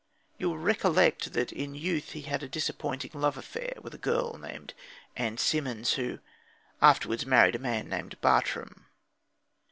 You will recollect that in youth he had had a disappointing love affair with a girl named Ann Simmons, who afterwards married a man named Bartrum.